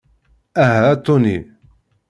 Aha a Tony.